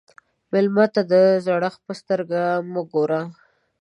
مېلمه ته د زړښت په سترګه مه ګوره.